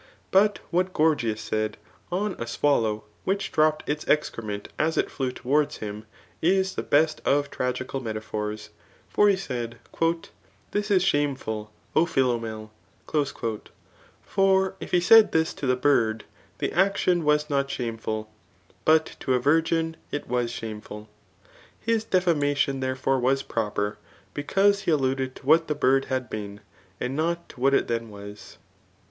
But what Gorgias said on a swal* low which dropped its etcrement as it flew towanjs him> is the best of tragical metaphors; for he said, ^^ This is shameful, OPhiUmieV' For if he said this to the bird, the action was not shameful ; but to a virg^ it was shameful. His defamation therefore was proper, because he alluded to what the bird had been, and no( to what k then was.